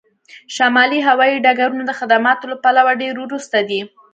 شمالي هوایی ډګرونه د خدماتو له پلوه ډیر وروسته دي